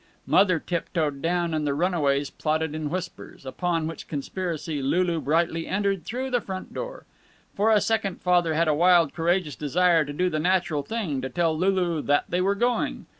Mother tiptoed down and the runaways plotted in whispers. Upon which conspiracy Lulu brightly entered through the front door. For a second Father had a wild, courageous desire to do the natural thing, to tell Lulu that they were going.